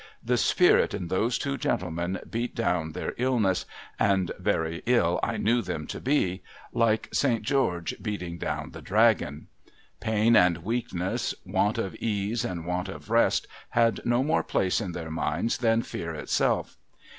The spirit in those two gentle men beat down their illness (and very ill I knew them to be) like 156 PERILS OF CERTAIN ENGLISH PRISONERS Saint George beating down tlie Dragon. Pain and weakness, want of case and want of rest, had no more place in their minds than fear itself.